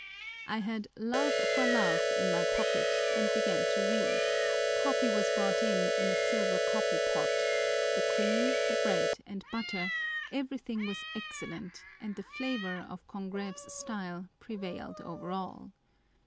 I had Love for Love l in my pocket, and began to read ; coffee was brought in in a silver coffee pot ; the cream, the bread and butter, everything was excellent, and the flavour of Congreve's style prevailed over all.